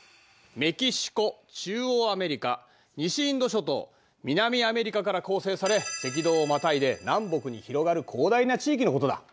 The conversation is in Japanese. メキシコ中央アメリカ西インド諸島南アメリカから構成され赤道をまたいで南北に広がる広大な地域のことだ。